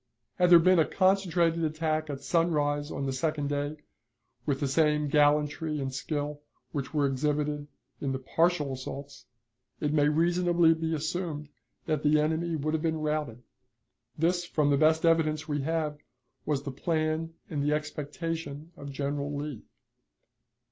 Had there been a concentrated attack at sunrise on the second day, with the same gallantry and skill which were exhibited in the partial assaults, it may reasonably be assumed that the enemy would have been routed. This, from the best evidence we have, was the plan and the expectation of General Lee.